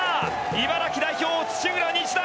茨城代表・土浦日大。